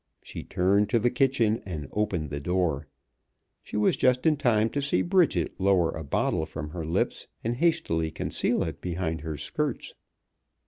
She turned to the kitchen and opened the door. She was just in time to see Bridget lower a bottle from her lips and hastily conceal it behind her skirts.